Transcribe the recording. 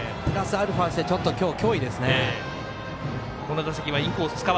アルファしてちょっと今日、脅威ですね。